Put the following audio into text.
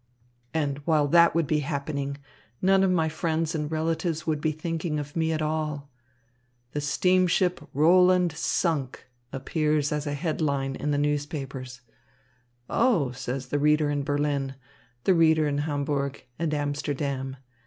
And while that would be happening, none of my friends and relatives would be thinking of me at all. 'The steamship Roland sunk' appears as a head line in the newspapers. 'Oh!' says the reader in Berlin, the reader in Hamburg, and Amsterdam.